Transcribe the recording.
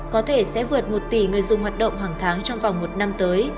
có thể sẽ vượt một tỷ người dùng hoạt động hàng tháng trong vòng một năm tới